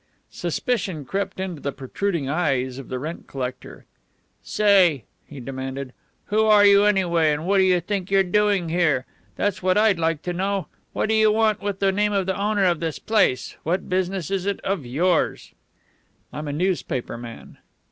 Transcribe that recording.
Suspicion crept into the protruding eyes of the rent collector. "Say!" he demanded. "Who are you anyway, and what do you think you're doing here? That's what I'd like to know. What do you want with the name of the owner of this place? What business is it of yours?" "I'm a newspaper man."